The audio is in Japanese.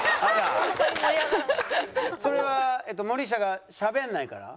それは森下がしゃべらないから？